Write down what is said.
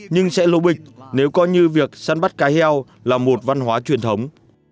nhưng sẽ lô bịch nếu coi như việc săn bắt cá heo là một văn hóa truyền thống